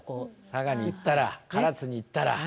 佐賀に行ったら唐津に行ったら。